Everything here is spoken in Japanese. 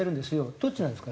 どっちなんですか？